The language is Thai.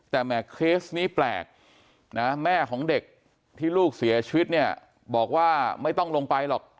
แต่แม่เคสนี้แปลกนะแม่ของเด็กที่ลูกเสียชีวิตเนี่ยบอกว่าไม่ต้องลงไปหรอก